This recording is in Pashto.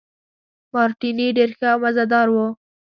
مارټیني ډېر ښه او مزه دار وو.